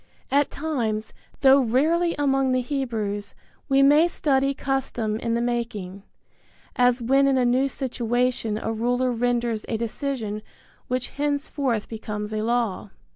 At times, though rarely among the Hebrews, we may study custom in the making, as when in a new situation a ruler renders a decision which henceforth becomes a law.